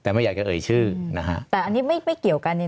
แต่ไม่อยากจะเอ่ยชื่อแต่อันนี้ไม่เกี่ยวกันนี่